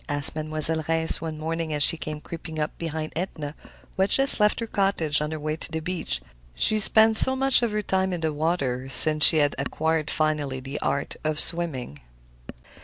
asked Mademoiselle Reisz one morning as she came creeping up behind Edna, who had just left her cottage on her way to the beach. She spent much of her time in the water since she had acquired finally the art of swimming.